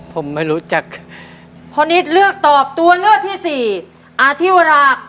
ผมไม่รู้จักพ่อนิทเลือกตอบตัวเลือกที่สี่อาทิวราคงมาลัยครับ